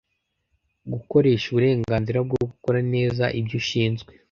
gukoresha uburenganzira bwo gukora neza ibyo ushinzwe